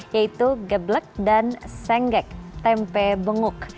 yaitu geblek dan sengek tempe benguk